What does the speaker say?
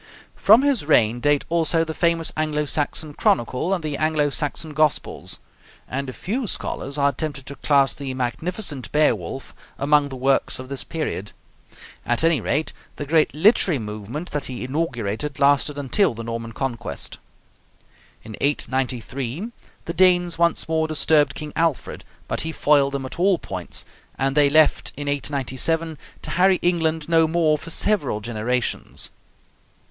From his reign date also the famous Anglo Saxon Chronicle and the Anglo Saxon Gospels; and a few scholars are tempted to class the magnificent 'Beowulf' among the works of this period. At any rate, the great literary movement that he inaugurated lasted until the Norman Conquest. In 893 the Danes once more disturbed King Alfred, but he foiled them at all points, and they left in 897 to harry England no more for several generations.